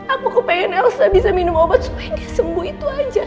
aku kepengen elsa bisa minum obat supaya dia sembuh itu aja